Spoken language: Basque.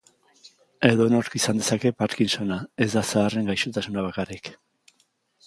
Edornok izan dezake parkinsona, ez da zaharren gaixotasuna bakarrik.